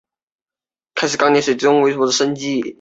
亨利县是美国印地安纳州东部的一个县。